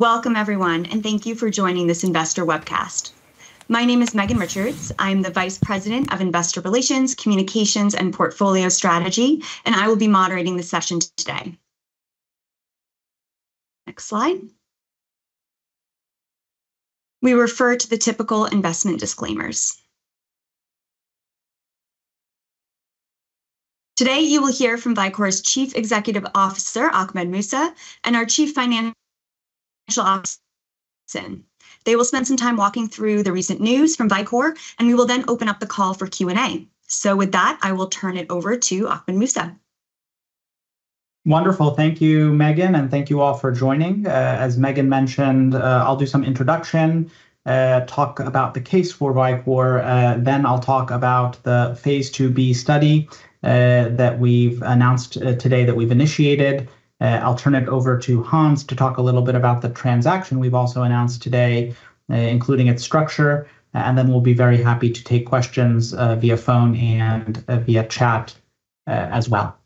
Welcome, everyone, and thank you for joining this investor webcast. My name is Megan Richards. I'm the Vice President of Investor Relations, Communications, and Portfolio Strategy, and I will be moderating the session today. Next slide. We refer to the typical investment disclaimers. Today, you will hear from Vicore's Chief Executive Officer, Ahmed Moussa, and our Chief Financial Officer, Hans Jeppsson. They will spend some time walking through the recent news from Vicore, and we will then open up the call for Q&A. So with that, I will turn it over to Ahmed Moussa. Wonderful. Thank you, Megan, and thank you all for joining. As Megan mentioned, I'll do some introduction, talk about the case for Vicore, then I'll talk about the phase IIb study that we've announced today that we've initiated. I'll turn it over to Hans to talk a little bit about the transaction we've also announced today, including its structure, and then we'll be very happy to take questions via phone and via chat as well.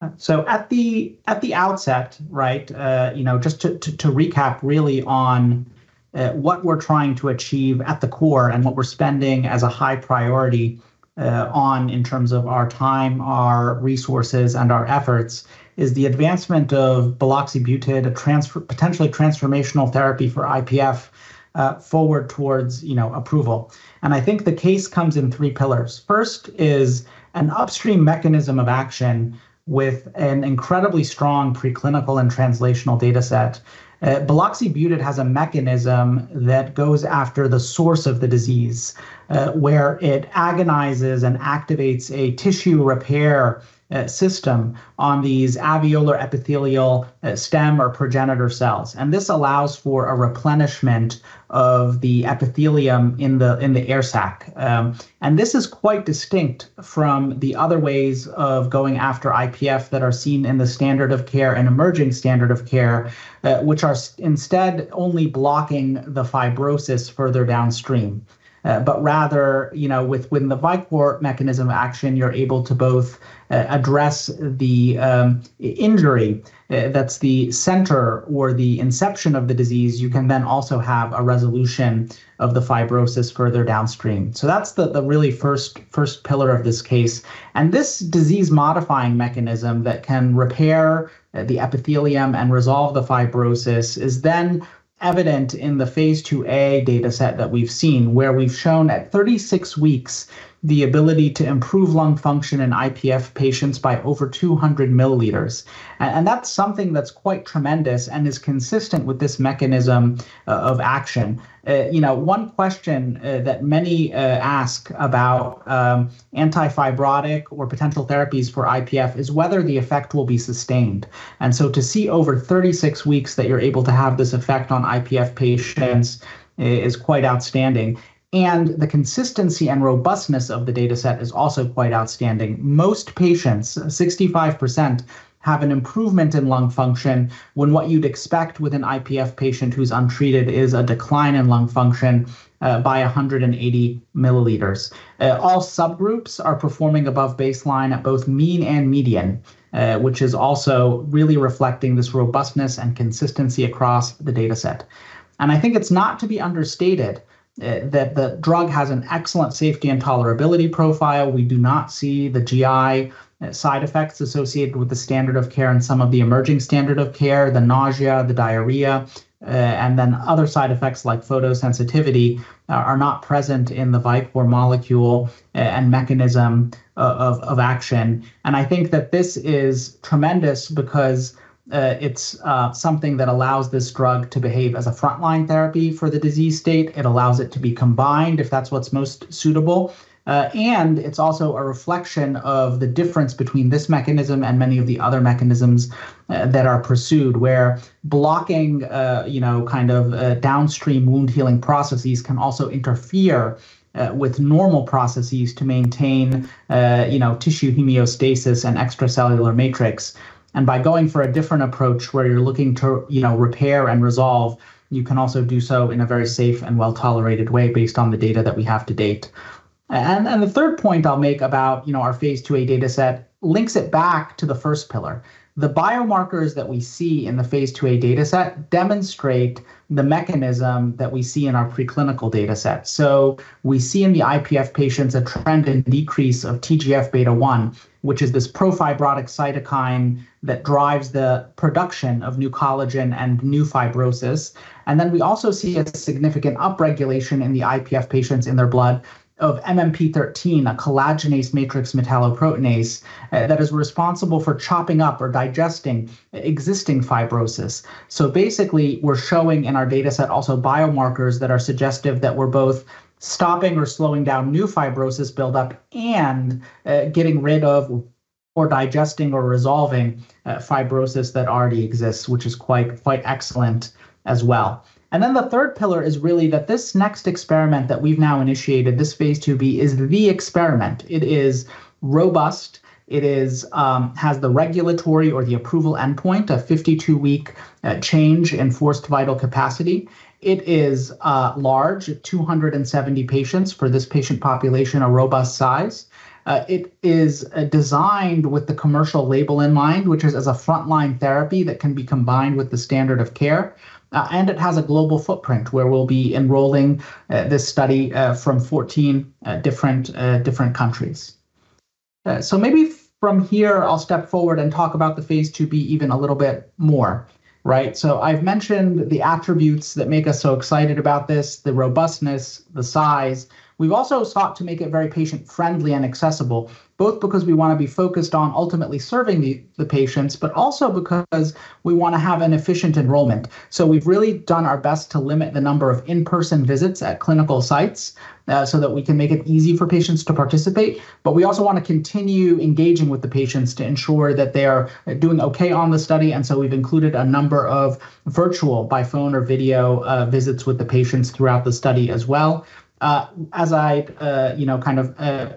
At the outset, right, you know, just to recap really on what we're trying to achieve at the core and what we're spending as a high priority on in terms of our time, our resources, and our efforts, is the advancement of buloxibutid, a potentially transformational therapy for IPF, forward towards, you know, approval. I think the case comes in three pillars. First is an upstream mechanism of action with an incredibly strong preclinical and translational dataset. Buloxibutid has a mechanism that goes after the source of the disease, where it agonizes and activates a tissue repair system on these alveolar epithelial stem or progenitor cells. And this allows for a replenishment of the epithelium in the air sac. And this is quite distinct from the other ways of going after IPF that are seen in the standard of care and emerging standard of care, which are instead only blocking the fibrosis further downstream. But rather, you know, within the Vicore mechanism of action, you're able to both address the injury that's the center or the inception of the disease. You can then also have a resolution of the fibrosis further downstream. That's the really first pillar of this case. And this disease-modifying mechanism that can repair the epithelium and resolve the fibrosis is then evident in the phase IIa dataset that we've seen, where we've shown at 36 weeks the ability to improve lung function in IPF patients by over 200 ml. And that's something that's quite tremendous and is consistent with this mechanism of action. You know, one question that many ask about anti-fibrotic or potential therapies for IPF is whether the effect will be sustained. And so to see over 36 weeks that you're able to have this effect on IPF patients is quite outstanding, and the consistency and robustness of the dataset is also quite outstanding. Most patients, 65%, have an improvement in lung function when what you'd expect with an IPF patient who's untreated, is a decline in lung function by 180 ml. All subgroups are performing above baseline at both mean and median, which is also really reflecting this robustness and consistency across the dataset, and I think it's not to be understated that the drug has an excellent safety and tolerability profile. We do not see the GI side effects associated with the standard of care and some of the emerging standard of care, the nausea, the diarrhea, and then other side effects like photosensitivity, are not present in the Vicore molecule and mechanism of action. I think that this is tremendous because it's something that allows this drug to behave as a frontline therapy for the disease state. It allows it to be combined, if that's what's most suitable. And it's also a reflection of the difference between this mechanism and many of the other mechanisms that are pursued, where blocking you know kind of downstream wound-healing processes can also interfere with normal processes to maintain you know tissue homeostasis and extracellular matrix. And by going for a different approach where you're looking to you know repair and resolve, you can also do so in a very safe and well-tolerated way based on the data that we have to date. And the third point I'll make about you know our phase IIa dataset links it back to the first pillar. The biomarkers that we see in the phase IIa dataset demonstrate the mechanism that we see in our preclinical dataset, so we see in the IPF patients a trend in decrease of TGF-beta1, which is this pro-fibrotic cytokine that drives the production of new collagen and new fibrosis, and then we also see a significant upregulation in the IPF patients in their blood of MMP-13, a collagenase matrix metalloproteinase that is responsible for chopping up or digesting existing fibrosis. So basically, we're showing in our dataset also biomarkers that are suggestive that we're both stopping or slowing down new fibrosis buildup and getting rid of or digesting or resolving fibrosis that already exists, which is quite, quite excellent as well, and then the third pillar is really that this next experiment that we've now initiated, this phase IIb, is the experiment. It is robust. It is. has the regulatory or the approval endpoint, a fifty-two-week change in forced vital capacity. It is large, 270 patients for this patient population, a robust size. It is designed with the commercial label in mind, which is as a frontline therapy that can be combined with the standard of care, and it has a global footprint, where we'll be enrolling this study from fourteen different countries. So maybe from here, I'll step forward and talk about the phase IIb even a little bit more, right? I've mentioned the attributes that make us so excited about this, the robustness, the size. We've also sought to make it very patient-friendly and accessible, both because we want to be focused on ultimately serving the patients, but also because we want to have an efficient enrollment. So we've really done our best to limit the number of in-person visits at clinical sites, so that we can make it easy for patients to participate. But we also want to continue engaging with the patients to ensure that they are doing okay on the study, and so we've included a number of virtual, by phone or video, visits with the patients throughout the study as well. As I, you know, kind of,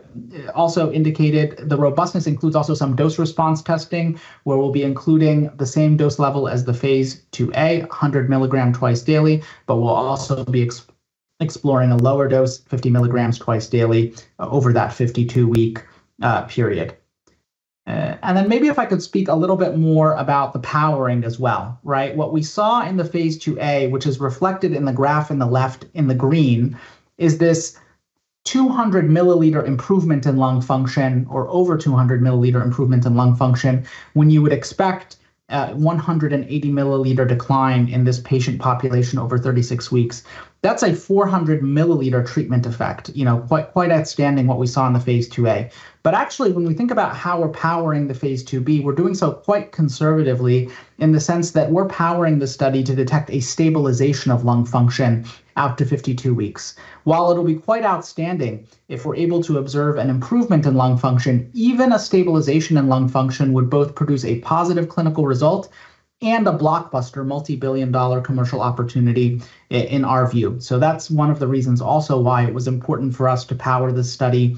also indicated, the robustness includes also some dose response testing, where we'll be including the same dose level as the phase IIa, 100 mg twice daily, but we'll also be exploring a lower dose, 50 mg twice daily, over that 52-week period. And then maybe if I could speak a little bit more about the powering as well, right? What we saw in the phase IIa, which is reflected in the graph in the left in the green, is this 200 ml improvement in lung function or over 200 ml improvement in lung function, when you would expect a 180 ml decline in this patient population over 36 weeks. That's a 400 ml treatment effect. You know, quite, quite outstanding what we saw in the phase IIa. But actually, when we think about how we're powering the phase IIb, we're doing so quite conservatively, in the sense that we're powering the study to detect a stabilization of lung function out to 52 weeks. While it'll be quite outstanding if we're able to observe an improvement in lung function, even a stabilization in lung function would both produce a positive clinical result and a blockbuster multibillion-dollar commercial opportunity in our view. So that's one of the reasons also why it was important for us to power this study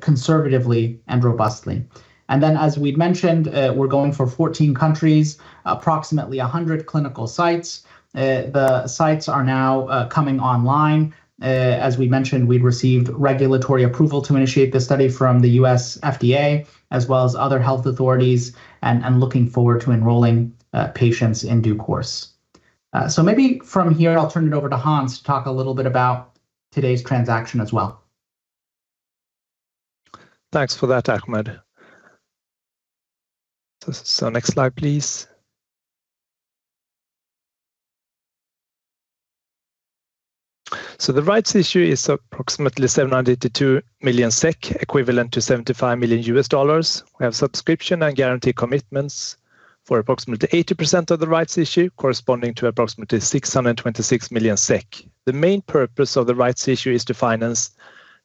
conservatively and robustly. And then, as we'd mentioned, we're going for fourteen countries, approximately 100 clinical sites. The sites are now coming online. As we mentioned, we'd received regulatory approval to initiate the study from the U.S. FDA, as well as other health authorities, and looking forward to enrolling patients in due course. So maybe from here, I'll turn it over to Hans to talk a little bit about today's transaction as well. Thanks for that, Ahmed. So next slide, please. So the rights issue is approximately 782 million SEK, equivalent to $75 million. We have subscription and guarantee commitments for approximately 80% of the rights issue, corresponding to approximately 626 million SEK. The main purpose of the rights issue is to finance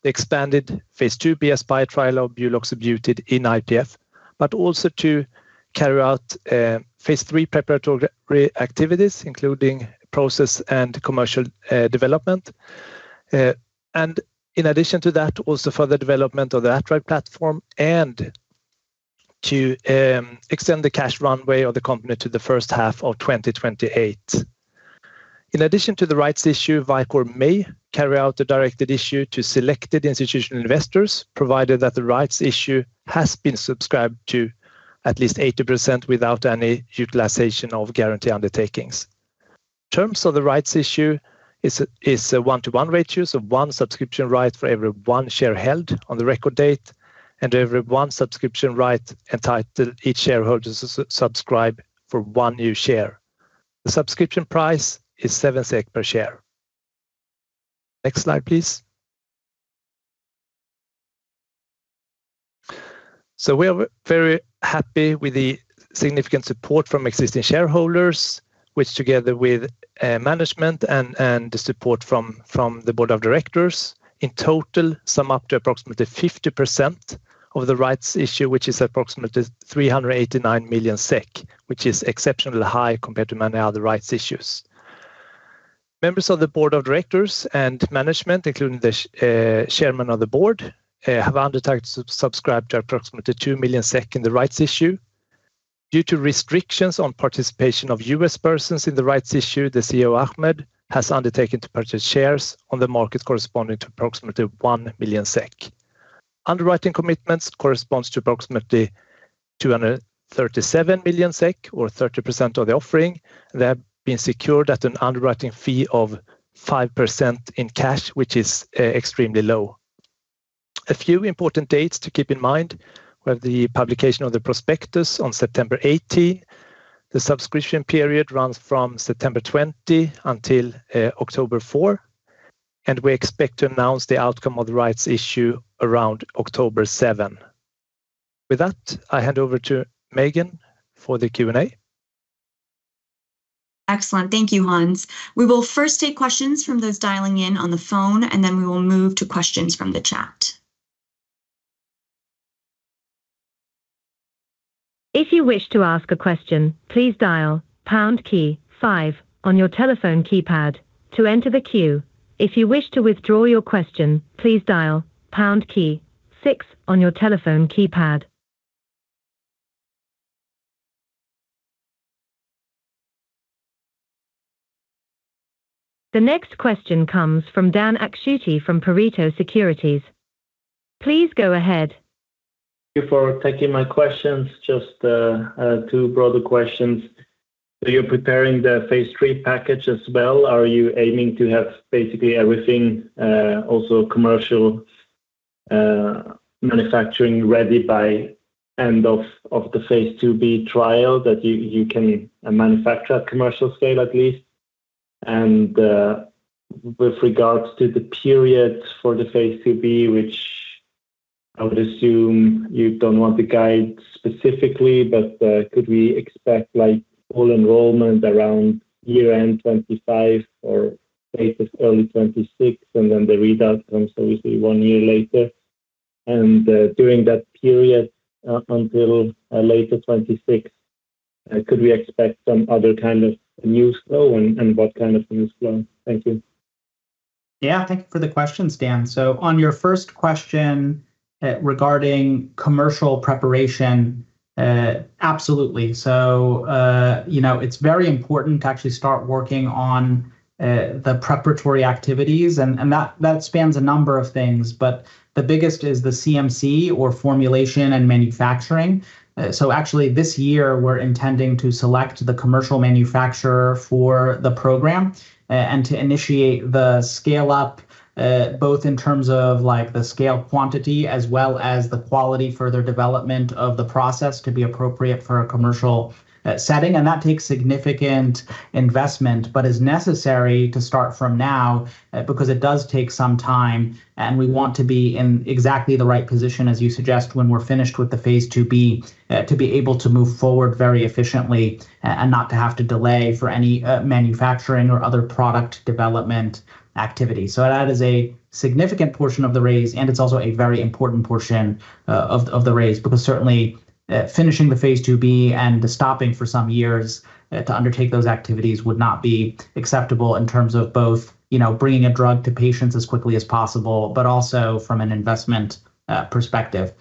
the expanded phase IIb ASPIRE trial of buloxibutid in IPF, but also to carry out phase III preparatory activities, including process and commercial development. And in addition to that, also further development of the ATRAG platform and to extend the cash runway of the company to the first half of 2028. In addition to the rights issue, Vicore may carry out the directed issue to selected institutional investors, provided that the rights issue has been subscribed to at least 80% without any utilization of guarantee undertakings. Terms of the rights issue is a one-to-one ratio, so one subscription right for every one share held on the record date, and every one subscription right entitle each shareholder to subscribe for one new share. The subscription price is seven SEK per share. Next slide, please. So we are very happy with the significant support from existing shareholders, which, together with management and the support from the board of directors, in total, sum up to approximately 50% of the rights issue, which is approximately 389 million SEK, which is exceptionally high compared to many other rights issues. Members of the board of directors and management, including the chairman of the board, have undertaken to subscribe to approximately two million SEK in the rights issue. Due to restrictions on participation of U.S. persons in the rights issue, the CEO, Ahmed, has undertaken to purchase shares on the market corresponding to approximately one million SEK. Underwriting commitments correspond to approximately 237 million SEK or 30% of the offering. They have been secured at an underwriting fee of 5% in cash, which is extremely low. A few important dates to keep in mind. We have the publication of the prospectus on 18 September. The subscription period runs from 20 September until 4 October, and we expect to announce the outcome of the rights issue around 7 October. With that, I hand over to Megan for the Q&A. Excellent. Thank you, Hans. We will first take questions from those dialing in on the phone, and then we will move to questions from the chat. If you wish to ask a question, please dial pound key five on your telephone keypad to enter the queue. If you wish to withdraw your question, please dial pound key six on your telephone keypad. The next question comes from Dan Akschuti from Pareto Securities. Please go ahead. Thank you for taking my questions, just two broader questions. So you're preparing the phase III package as well. Are you aiming to have basically everything, also commercial manufacturing ready by end of the phase IIb trial, that you can manufacture at commercial scale at least? And, with regards to the period for the phase IIb, which I would assume you don't want to guide specifically, but could we expect, like, full enrollment around year-end 2025 or latest early 2026, and then the results comes obviously one year later? And, during that period, until later 2026, could we expect some other kind of news flow, and what kind of news flow? Thank you. Yeah, thank you for the question, Dan. So on your first question, regarding commercial preparation, absolutely. So, you know, it's very important to actually start working on, the preparatory activities, and that spans a number of things, but the biggest is the CMC or formulation and manufacturing. So actually this year we're intending to select the commercial manufacturer for the program, and to initiate the scale up, both in terms of like the scale quantity as well as the quality further development of the process to be appropriate for a commercial, setting. And that takes significant investment, but is necessary to start from now, because it does take some time, and we want to be in exactly the right position, as you suggest, when we're finished with the phase IIb, to be able to move forward very efficiently, and not to have to delay for any manufacturing or other product development activity. So that is a significant portion of the raise, and it's also a very important portion of the raise, because certainly finishing the phase IIb and then stopping for some years to undertake those activities would not be acceptable in terms of both, you know, bringing a drug to patients as quickly as possible, but also from an investment perspective.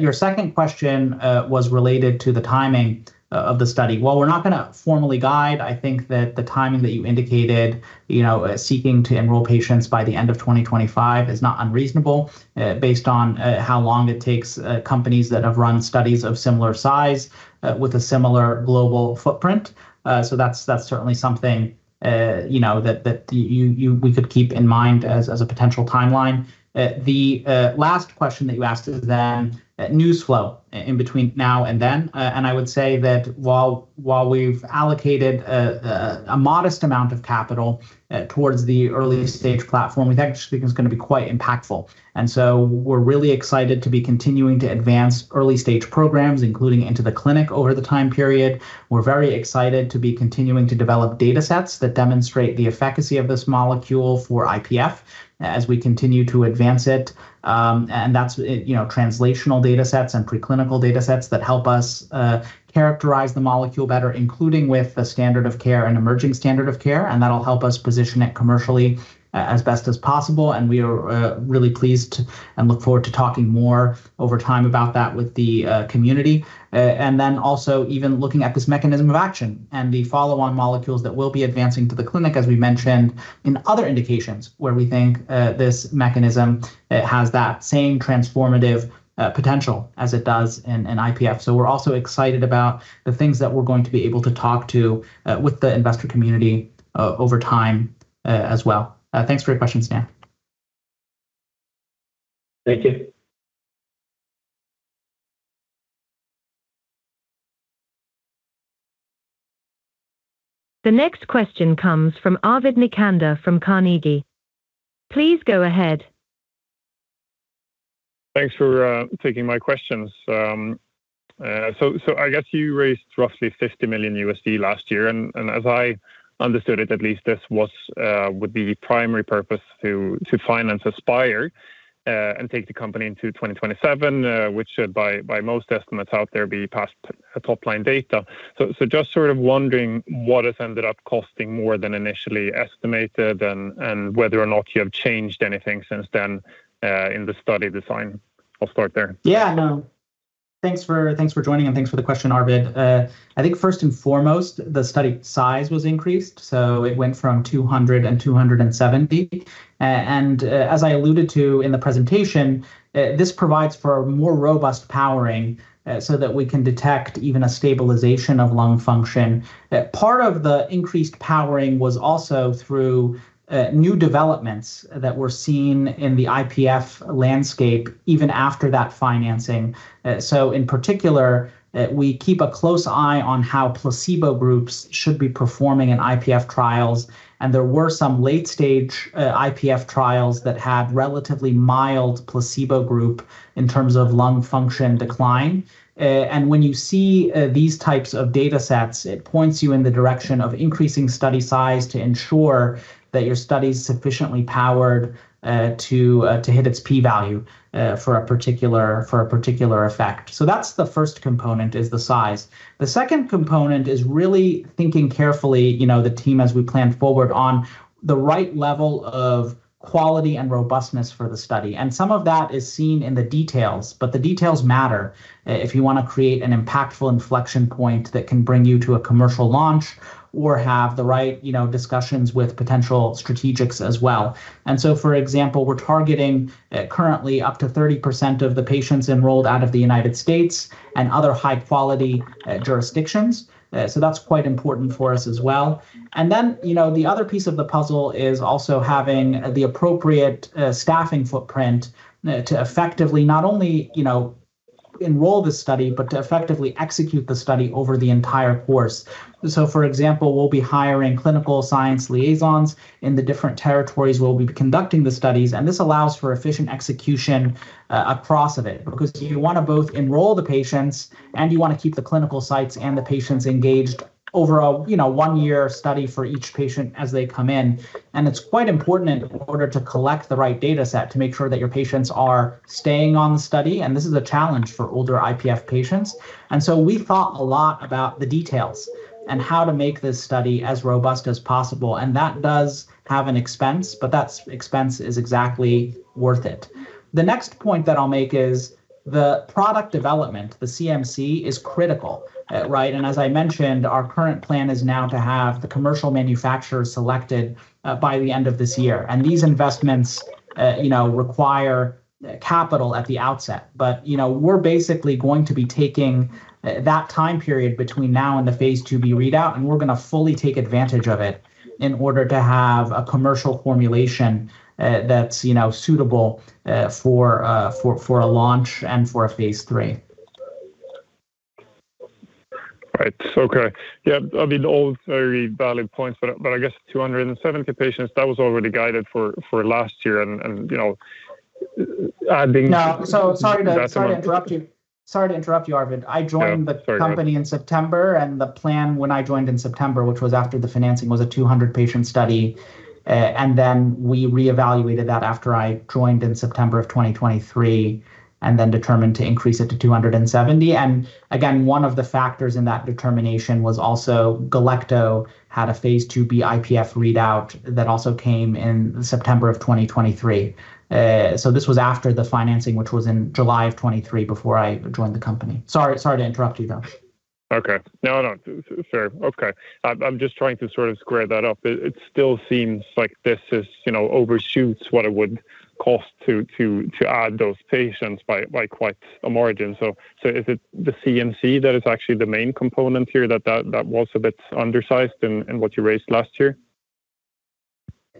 Your second question was related to the timing of the study. While we're not gonna formally guide, I think that the timing that you indicated, you know, seeking to enroll patients by the end of 2025, is not unreasonable, based on how long it takes companies that have run studies of similar size with a similar global footprint. So that's certainly something, you know, that we could keep in mind as a potential timeline. The last question that you asked is then news flow in between now and then, and I would say that while we've allocated a modest amount of capital towards the early stage platform, we think it's gonna be quite impactful. And so we're really excited to be continuing to advance early stage programs, including into the clinic over the time period. We're very excited to be continuing to develop data sets that demonstrate the efficacy of this molecule for IPF as we continue to advance it, and that's, you know, translational data sets and preclinical data sets that help us characterize the molecule better, including with the standard of care and emerging standard of care, and that'll help us position it commercially as best as possible. We are really pleased and look forward to talking more over time about that with the community, and then also even looking at this mechanism of action and the follow-on molecules that we'll be advancing to the clinic, as we mentioned, in other indications, where we think this mechanism has that same transformative potential as it does in IPF. So we're also excited about the things that we're going to be able to talk to with the investor community over time as well. Thanks for your questions, Dan. Thank you. The next question comes from Arvid Necander from Carnegie. Please go ahead. Thanks for taking my questions. So I guess you raised roughly $50 million last year, and as I understood it, at least this was the primary purpose to finance ASPIRE, and take the company into 2027, which should, by most estimates out there, be past top line data. So just sort of wondering what has ended up costing more than initially estimated and whether or not you have changed anything since then, in the study design? I'll start there. Yeah, no. Thanks for, thanks for joining, and thanks for the question, Arvid. I think first and foremost, the study size was increased, so it went from 200 to 270. And, as I alluded to in the presentation, this provides for a more robust powering, so that we can detect even a stabilization of lung function. Part of the increased powering was also through new developments that were seen in the IPF landscape, even after that financing. So in particular, we keep a close eye on how placebo groups should be performing in IPF trials, and there were some late-stage IPF trials that had relatively mild placebo group in terms of lung function decline. And when you see these types of data sets, it points you in the direction of increasing study size to ensure that your study is sufficiently powered to hit its p-value for a particular effect. So that's the first component, is the size. The second component is really thinking carefully, you know, the team as we plan forward on the right level of quality and robustness for the study. And some of that is seen in the details, but the details matter if you wanna create an impactful inflection point that can bring you to a commercial launch or have the right, you know, discussions with potential strategics as well. And so, for example, we're targeting currently up to 30% of the patients enrolled out of the United States and other high-quality jurisdictions. So that's quite important for us as well. And then, you know, the other piece of the puzzle is also having the appropriate staffing footprint to effectively not only, you know, enroll the study, but to effectively execute the study over the entire course. So, for example, we'll be hiring clinical science liaisons in the different territories where we'll be conducting the studies, and this allows for efficient execution across it. Because you want to both enroll the patients, and you want to keep the clinical sites and the patients engaged over a, you know, one-year study for each patient as they come in. And it's quite important in order to collect the right data set, to make sure that your patients are staying on the study, and this is a challenge for older IPF patients. And so we thought a lot about the details and how to make this study as robust as possible, and that does have an expense, but that expense is exactly worth it. The next point that I'll make is the product development, the CMC, is critical, right? And as I mentioned, our current plan is now to have the commercial manufacturer selected by the end of this year. And these investments, you know, require capital at the outset, but, you know, we're basically going to be taking that time period between now and the phase IIb readout, and we're going to fully take advantage of it in order to have a commercial formulation, that's, you know, suitable for a launch and for a phase III. Right. Okay. Yeah, I mean, all very valid points, but I guess 270 patients, that was already guided for last year and, you know, adding- No. So sorry to- -that amount. Sorry to interrupt you, Arvid. Yeah. Sorry about it. I joined the company in September, and the plan when I joined in September, which was after the financing, was a 200-patient study. And then we reevaluated that after I joined in September of 2023, and then determined to increase it to 270. And again, one of the factors in that determination was also Galecto had a phase IIb IPF readout that also came in September of 2023. So this was after the financing, which was in July of 2023, before I joined the company. Sorry, sorry to interrupt you, though. Okay. No, no, fair. Okay. I'm just trying to sort of square that up. It still seems like this is, you know, overshoots what it would cost to add those patients by quite a margin. So is it the CMC that is actually the main component here that was a bit undersized in what you raised last year?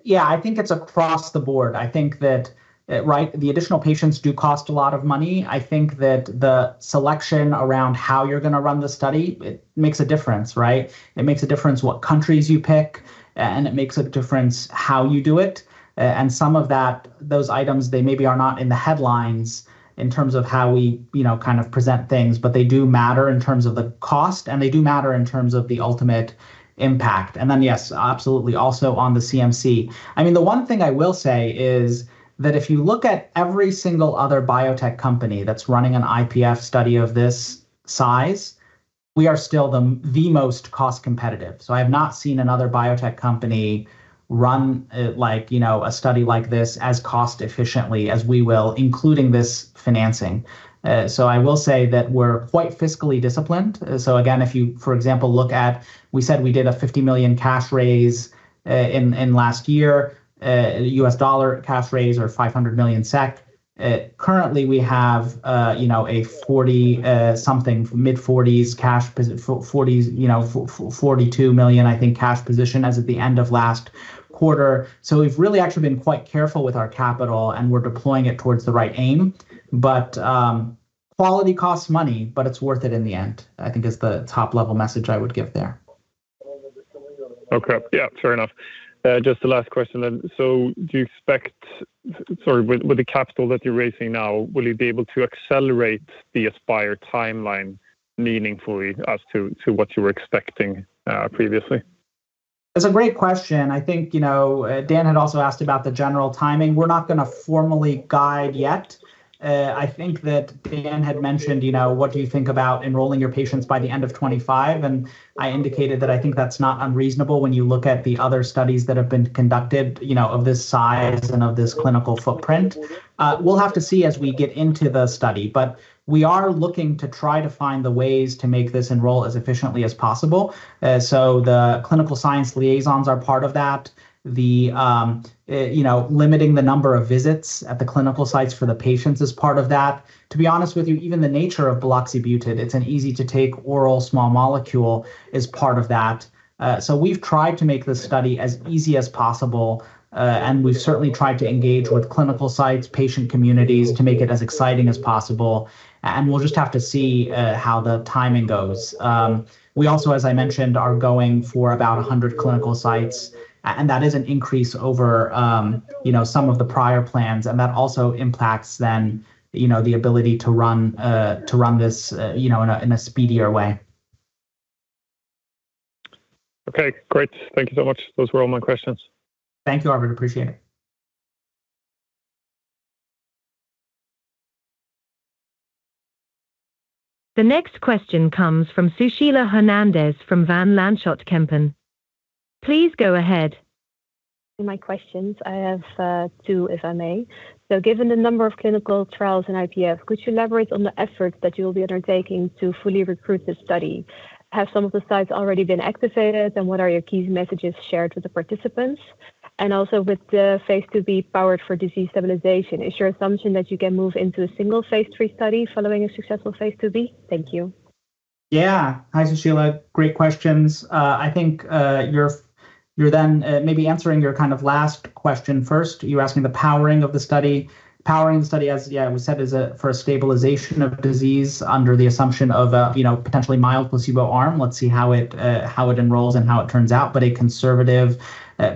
Yeah, I think it's across the board. I think that, right, the additional patients do cost a lot of money. I think that the selection around how you're going to run the study, it makes a difference, right? It makes a difference what countries you pick, and it makes a difference how you do it. And some of that, those items, they maybe are not in the headlines in terms of how we, you know, kind of present things, but they do matter in terms of the cost, and they do matter in terms of the ultimate impact. And then, yes, absolutely, also on the CMC. I mean, the one thing I will say is that if you look at every single other biotech company that's running an IPF study of this size, we are still the most cost competitive. I have not seen another biotech company run, like, you know, a study like this as cost efficiently as we will, including this financing. So I will say that we're quite fiscally disciplined. Again, if you, for example, look at... We said we did a $50 million cash raise in last year, US dollar cash raise or 500 million SEK. Currently, we have, you know, a forty-something, mid-forties cash position, forties, you know, 42 million, I think, cash position as at the end of last quarter. We've really actually been quite careful with our capital, and we're deploying it towards the right aim. Quality costs money, but it's worth it in the end, I think is the top-level message I would give there. Okay. Yeah, fair enough. Just the last question then. So do you expect? Sorry, with the capital that you're raising now, will you be able to accelerate the Aspire timeline meaningfully as to what you were expecting, previously? That's a great question. I think, you know, Dan had also asked about the general timing. We're not going to formally guide yet. I think that Dan had mentioned, you know, "What do you think about enrolling your patients by the end of 2025?" And I indicated that I think that's not unreasonable when you look at the other studies that have been conducted, you know, of this size and of this clinical footprint. We'll have to see as we get into the study, but we are looking to try to find the ways to make this enroll as efficiently as possible. So the clinical science liaisons are part of that. The, you know, limiting the number of visits at the clinical sites for the patients is part of that. To be honest with you, even the nature of Buloxibutid, it's an easy-to-take oral small molecule, is part of that. So we've tried to make this study as easy as possible, and we've certainly tried to engage with clinical sites, patient communities, to make it as exciting as possible, and we'll just have to see how the timing goes. We also, as I mentioned, are going for about a hundred clinical sites, and that is an increase over, you know, some of the prior plans, and that also impacts then, you know, the ability to run this, you know, in a speedier way. Okay, great. Thank you so much. Those were all my questions. Thank you, Arvid. Appreciate it. The next question comes from Sushila Hernandez from Van Lanschot Kempen. Please go ahead. My questions, I have, two, if I may. So given the number of clinical trials in IPF, could you elaborate on the efforts that you will be undertaking to fully recruit this study? Have some of the sites already been activated, and what are your key messages shared with the participants? And also, with the phase IIb powered for disease stabilization, is your assumption that you can move into a single phase III study following a successful phase IIb? Thank you.... Yeah. Hi, Sushila. Great questions. I think you're then maybe answering your kind of last question first. You're asking the powering of the study. Powering the study as, yeah, it was said is for a stabilization of disease under the assumption of a, you know, potentially mild placebo arm. Let's see how it enrolls and how it turns out, but a conservative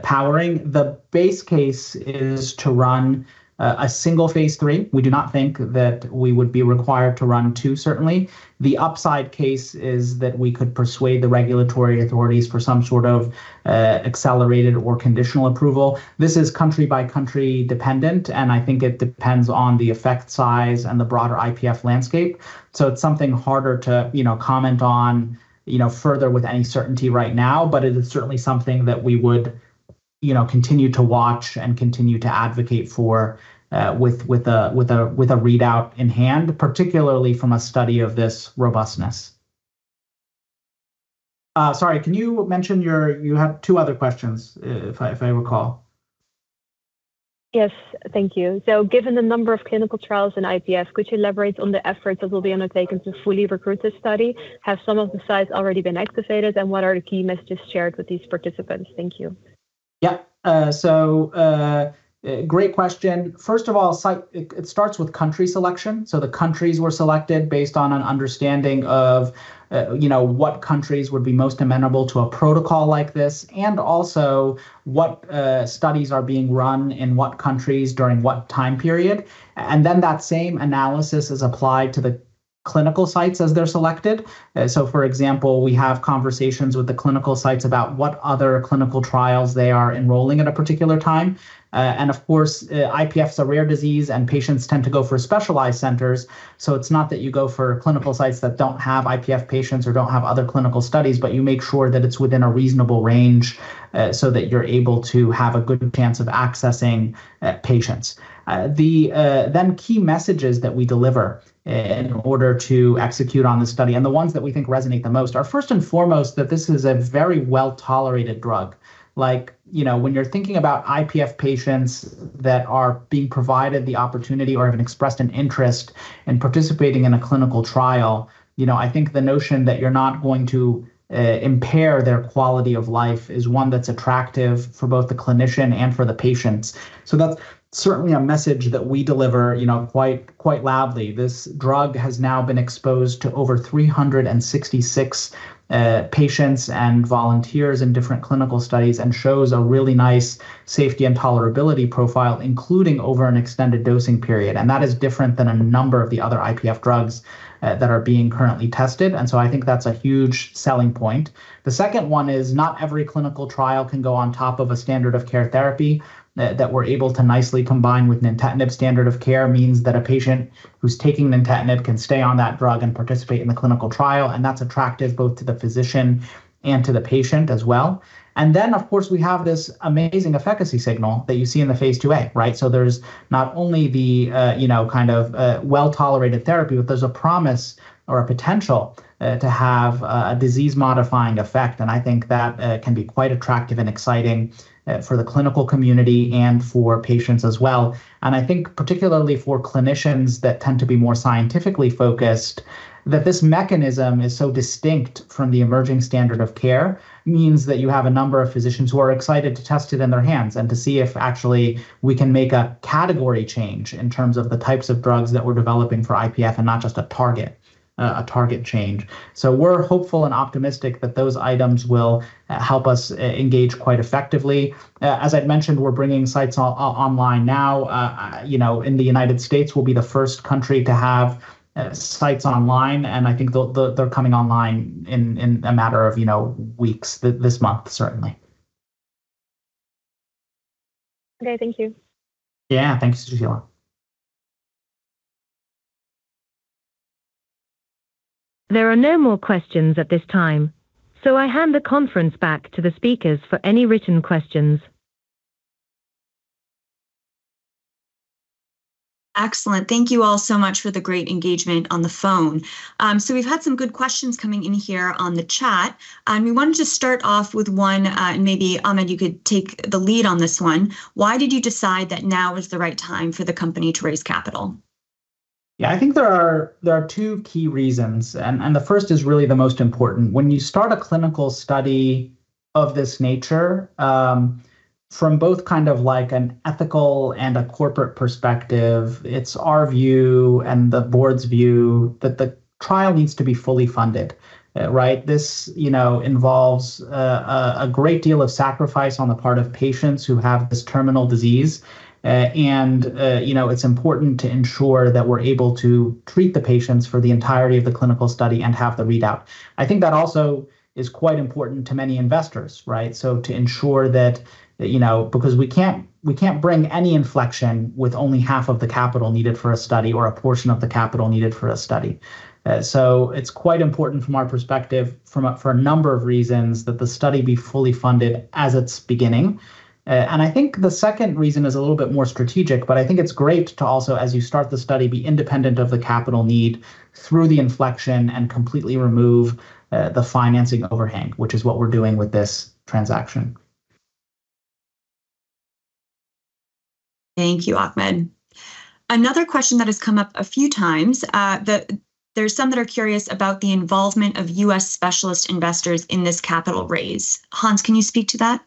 powering. The base case is to run a single phase III. We do not think that we would be required to run two, certainly. The upside case is that we could persuade the regulatory authorities for some sort of accelerated or conditional approval. This is country-by-country dependent, and I think it depends on the effect size and the broader IPF landscape. So it's something harder to, you know, comment on, you know, further with any certainty right now, but it is certainly something that we would, you know, continue to watch and continue to advocate for with a readout in hand, particularly from a study of this robustness. Sorry, can you mention your... You had two other questions, if I recall? Yes. Thank you. So given the number of clinical trials in IPF, could you elaborate on the efforts that will be undertaken to fully recruit this study? Have some of the sites already been activated, and what are the key messages shared with these participants? Thank you. Yeah, so, great question. First of all, it starts with country selection. The countries were selected based on an understanding of, you know, what countries would be most amenable to a protocol like this, and also what studies are being run in what countries during what time period, and then that same analysis is applied to the clinical sites as they're selected. So for example, we have conversations with the clinical sites about what other clinical trials they are enrolling at a particular time, and of course, IPF is a rare disease, and patients tend to go for specialized centers. So it's not that you go for clinical sites that don't have IPF patients or don't have other clinical studies, but you make sure that it's within a reasonable range so that you're able to have a good chance of accessing patients. The key messages that we deliver in order to execute on the study, and the ones that we think resonate the most, are first and foremost that this is a very well-tolerated drug. Like, you know, when you're thinking about IPF patients that are being provided the opportunity or have expressed an interest in participating in a clinical trial, you know, I think the notion that you're not going to impair their quality of life is one that's attractive for both the clinician and for the patients. So that's certainly a message that we deliver, you know, quite loudly. This drug has now been exposed to over 366 patients and volunteers in different clinical studies and shows a really nice safety and tolerability profile, including over an extended dosing period, and that is different than a number of the other IPF drugs that are being currently tested, and so I think that's a huge selling point. The second one is not every clinical trial can go on top of a standard of care therapy that we're able to nicely combine with nintedanib. Standard of care means that a patient who's taking nintedanib can stay on that drug and participate in the clinical trial, and that's attractive both to the physician and to the patient as well. And then, of course, we have this amazing efficacy signal that you see in the phase IIa, right? So there's not only the, you know, kind of, well-tolerated therapy, but there's a promise or a potential, to have, a disease-modifying effect, and I think that, can be quite attractive and exciting, for the clinical community and for patients as well. And I think particularly for clinicians that tend to be more scientifically focused, that this mechanism is so distinct from the emerging standard of care, means that you have a number of physicians who are excited to test it in their hands and to see if actually we can make a category change in terms of the types of drugs that we're developing for IPF and not just a target, a target change. So we're hopeful and optimistic that those items will, help us engage quite effectively. As I'd mentioned, we're bringing sites online now. You know, in the United States will be the first country to have sites online, and I think they're coming online in a matter of, you know, weeks, this month, certainly. Okay. Thank you. Yeah. Thanks, Sushila. There are no more questions at this time, so I hand the conference back to the speakers for any written questions. Excellent. Thank you all so much for the great engagement on the phone. So we've had some good questions coming in here on the chat. We wanted to start off with one, and maybe, Ahmed, you could take the lead on this one: Why did you decide that now is the right time for the company to raise capital? Yeah, I think there are two key reasons, and the first is really the most important. When you start a clinical study of this nature, from both kind of like an ethical and a corporate perspective, it's our view and the board's view that the trial needs to be fully funded, right? This, you know, involves a great deal of sacrifice on the part of patients who have this terminal disease. And, you know, it's important to ensure that we're able to treat the patients for the entirety of the clinical study and have the readout. I think that also is quite important to many investors, right? So to ensure that, you know, because we can't bring any inflection with only half of the capital needed for a study or a portion of the capital needed for a study. So it's quite important from our perspective, for a number of reasons, that the study be fully funded as it's beginning. And I think the second reason is a little bit more strategic, but I think it's great to also, as you start the study, be independent of the capital need through the inflection and completely remove the financing overhang, which is what we're doing with this transaction. ... Thank you, Ahmed. Another question that has come up a few times, there are some that are curious about the involvement of US specialist investors in this capital raise. Hans, can you speak to that?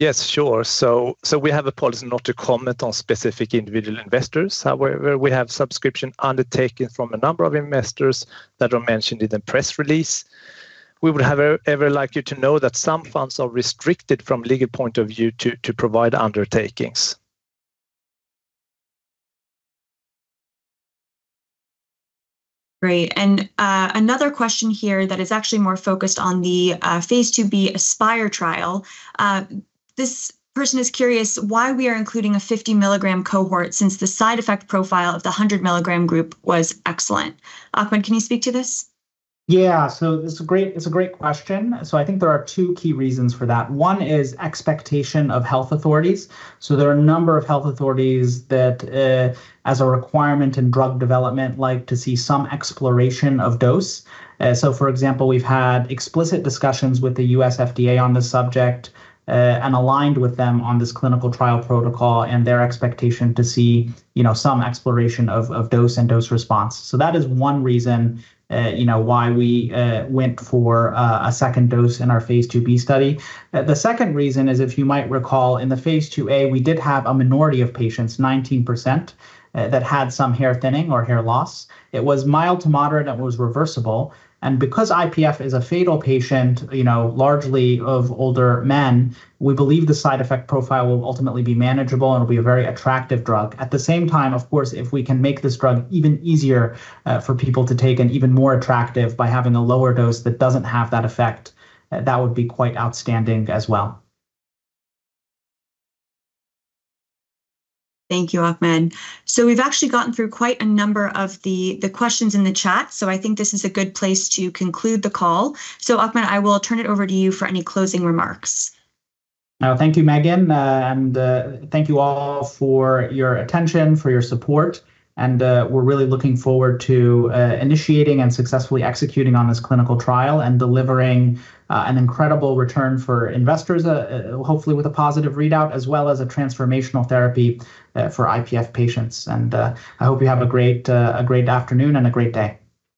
Yes, sure. So we have a policy not to comment on specific individual investors. However, we have subscription undertaking from a number of investors that are mentioned in the press release. We would, however, like you to know that some funds are restricted from legal point of view to provide undertakings. Great, and, another question here that is actually more focused on the phase IIb ASPIRE trial. This person is curious why we are including a 50 mg cohort since the side effect profile of the 100 mg group was excellent. Ahmed, can you speak to this? Yeah. It's a great question. I think there are two key reasons for that: one is expectation of health authorities. There are a number of health authorities that, as a requirement in drug development, like to see some exploration of dose. For example, we've had explicit discussions with the U.S. FDA on this subject, and aligned with them on this clinical trial protocol and their expectation to see, you know, some exploration of dose and dose response. That is one reason, you know, why we went for a second dose in our phase IIb study. The second reason is, if you might recall, in the phase IIa, we did have a minority of patients, 19%, that had some hair thinning or hair loss. It was mild to moderate, and it was reversible, and because IPF is a fatal disease, you know, largely of older men, we believe the side effect profile will ultimately be manageable and will be a very attractive drug. At the same time, of course, if we can make this drug even easier for people to take and even more attractive by having a lower dose that doesn't have that effect, that would be quite outstanding as well. Thank you, Ahmed. So we've actually gotten through quite a number of the questions in the chat, so I think this is a good place to conclude the call. So, Ahmed, I will turn it over to you for any closing remarks. Thank you, Megan, and thank you all for your attention, for your support, and we're really looking forward to initiating and successfully executing on this clinical trial and delivering an incredible return for investors, hopefully with a positive readout, as well as a transformational therapy for IPF patients. I hope you have a great afternoon and a great day.